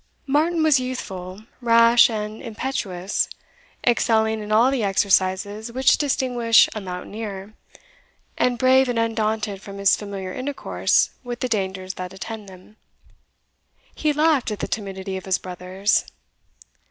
Martin was youthful, rash, and impetuous; excelling in all the exercises which distinguish a mountaineer, and brave and undaunted from his familiar intercourse with the dangers that attend them. He laughed at the timidity of his brothers.